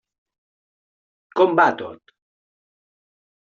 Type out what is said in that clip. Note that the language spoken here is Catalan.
Com va tot?